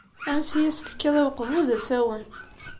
Ansa i as-tekkiḍ i uqbu d asawen.